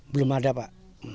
belum ada pak